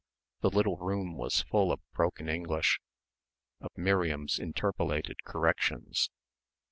The little room was full of broken English, of Miriam's interpolated corrections.